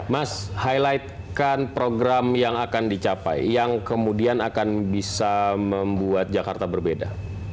mas highlight kan program yang akan dicapai yang kemudian akan bisa membuat jakarta berbeda